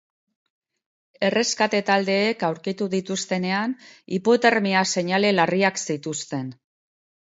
Erreskate taldeek aurkitu dituztenean hipotermia seinale larriak zituzten.